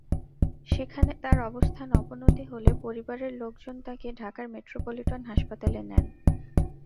সেখানে তাঁর অবস্থার অবনতি হলে পরিবারের লোকজন তাঁকে ঢাকার মেট্রোপলিটন হাসপাতালে নেন।